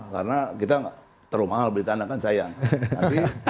karena kita terlalu mahal beli tanah kan sayang